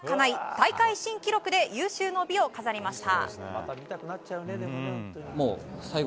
大会新記録で有終の美を飾りました。